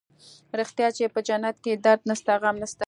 رښتيا چې په جنت کښې درد نسته غم نسته.